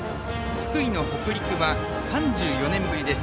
福井の北陸は３４年ぶりです。